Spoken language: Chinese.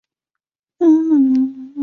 这怎么可以！